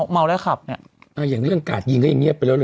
มัวและขับเนี่ย